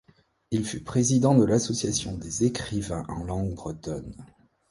Il fut président de l’Association des écrivains en langue bretonne.